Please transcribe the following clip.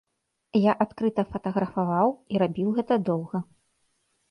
Я адкрыта фатаграфаваў і рабіў гэта доўга.